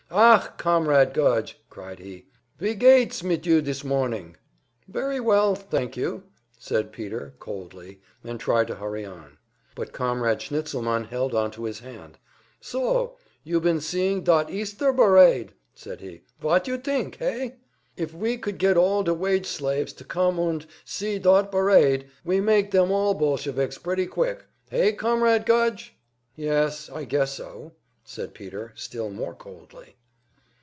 "Ach, Comrade Gudge!" cried he. "Wie geht's mit you dis morning?" "Very well, thank you," said Peter, coldly, and tried to hurry on. But Comrade Schnitzelmann held onto his hand. "So! You been seeing dot Easter barade!" said he. "Vot you tink, hey? If we could get all de wage slaves to come und see dot barade, we make dem all Bolsheviks pretty quick! Hey, Comrade Gudge?" "Yes, I guess so," said Peter, still more coldly.